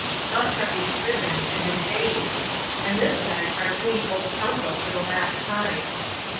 Thus have we striven, and in vain; and this night our Queen holds council for the last time.